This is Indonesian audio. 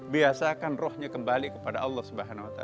biasakan rohnya kembali kepada allah swt